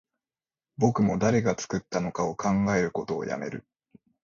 僕も誰が作ったのか考えることをやめる